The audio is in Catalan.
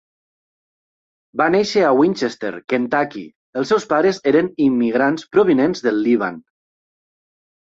Va néixer a Winchester, Kentucky, els seus pares eren immigrants provinents del Líban.